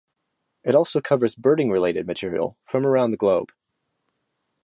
It also covers birding-related material from around the globe.